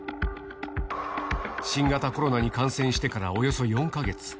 新型コロナに感染してからおよそ４か月。